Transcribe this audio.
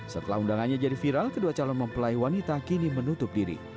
setelah undangannya jadi viral kedua calon mempelai wanita kini menutup diri